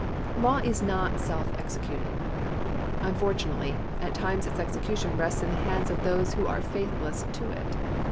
Law is not self executing. Unfortunately, at times its execution rests in the hands of those who are faithless to it.